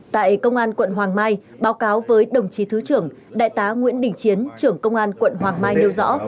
tại công an quận hoàng mai báo cáo với đồng chí thứ trưởng đại tá nguyễn đình chiến trưởng công an quận hoàng mai nêu rõ